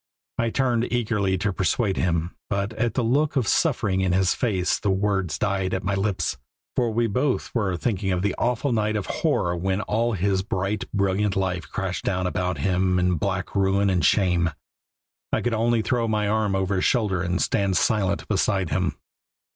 I turned eagerly to persuade him, but at the look of suffering in his face the words died at my lips, for we both were thinking of the awful night of horror when all his bright, brilliant life crashed down about him in black ruin and shame. I could only throw my arm over his shoulder and stand silent beside him.